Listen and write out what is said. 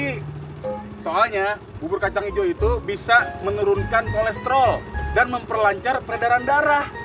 tapi soalnya bubur kacang hijau itu bisa menurunkan kolesterol dan memperlancar peredaran darah